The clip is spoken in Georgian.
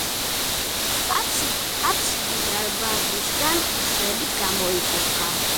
აბსიდი დარბაზისაგან მხრებით გამოიყოფა.